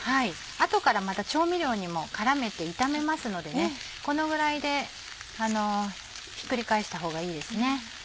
後からまた調味料にも絡めて炒めますのでこのぐらいでひっくり返した方がいいですね。